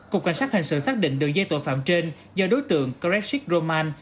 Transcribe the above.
cục cảnh sát hình sự xác định đường dây tội phạm trên do đối tượng krecik roman